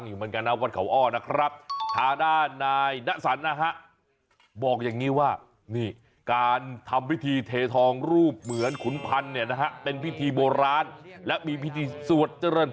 อุขจากหลายวัดห้วยเตงมาร่วมพิธี